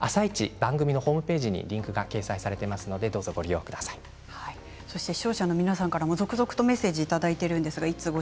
番組のホームページにリンクが掲載されていますので視聴者の皆さんから続々メッセージです。